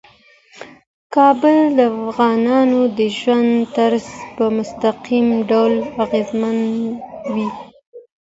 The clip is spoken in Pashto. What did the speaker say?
کابل د افغانانو د ژوند طرز په مستقیم ډول اغېزمنوي.